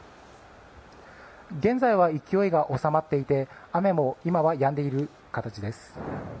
現在は勢いが収まっていて雨も、今はやんでいる形です。